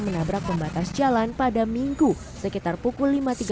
menabrak pembatas jalan pada minggu sekitar pukul lima tiga puluh